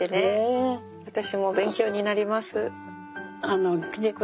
私も勉強になります。